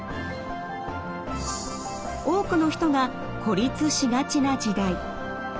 多くの人が孤立しがちな時代。